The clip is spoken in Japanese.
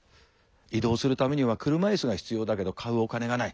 移動するためには車いすが必要だけど買うお金がない。